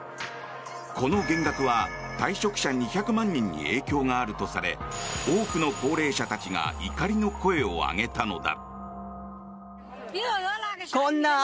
この減額は退職者２００万人に影響があるとされ多くの高齢者たちが怒りの声を上げたのだ。